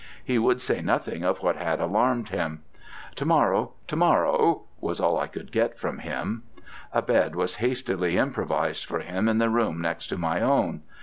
He would say nothing of what had alarmed him. 'To morrow, to morrow,' was all I could get from him. A bed was hastily improvised for him in the room next to my own.